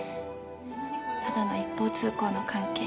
ただの一方通行の関係。